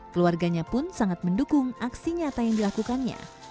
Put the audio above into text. keluarganya pun sangat mendukung aksi nyata yang dilakukannya